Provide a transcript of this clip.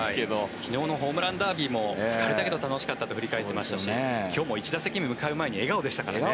昨日のホームランダービーも疲れたけど楽しかったと振り返っていましたし今日も１打席目に向かう前に笑顔ですからね。